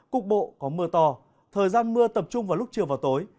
cục bộ có mưa to thời gian mưa tập trung vào lúc chiều và tối